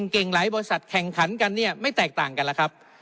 เก่งหลายบริษัทแข่งขันกันเนี่ยไม่แตกต่างกันแล้วครับ